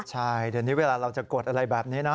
ใช่เดี๋ยวนี้เวลาเราจะกดอะไรแบบนี้นะ